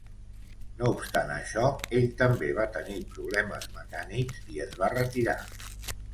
No obstant això, ell també va tenir problemes mecànics i es va retirar.